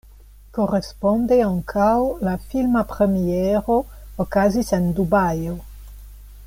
Koresponde ankaŭ la filma premiero okazis en Dubajo.